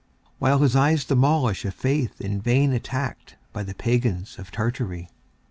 SELECTED POEMS 349 While his eyes demolish a faith in vain attacked by the pagans of Tartary1.